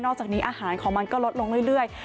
จากนี้อาหารของมันก็ลดลงเรื่อย